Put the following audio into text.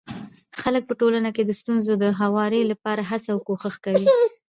خلک په ټولنه کي د ستونزو د هواري لپاره هڅه او کوښښ کوي.